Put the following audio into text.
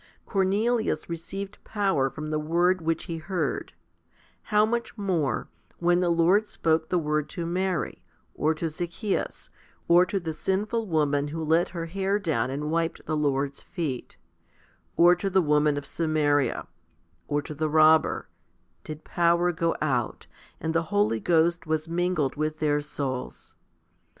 Cornelius received power from the word which he heard ; how much more, when the Lord spoke the word to Mary, or to Zacchaeus, or to the sinful woman who let her hair down and wiped the Lord's feet, or to the woman of Samaria, or to the robber, did power go out, and the Holy Ghost was mingled with their souls